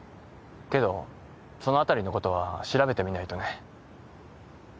けどその辺りのことは調べてみないとね。